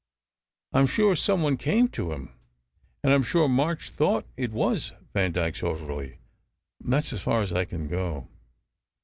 " I m sure some one came to him, and I m sure March thought it was Vandyke s orderly. That s as far as I can go."